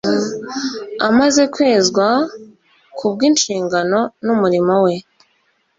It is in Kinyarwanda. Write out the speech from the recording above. Amaze kwezwa kubw'inshingano n'umurimo we,